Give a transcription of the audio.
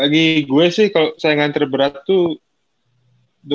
bagi gue sih kalau saingan terberat tuh